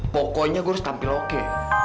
pokoknya gue harus tampil oke